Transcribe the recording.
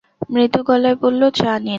মৃদু গলায় বলল, চা নিন।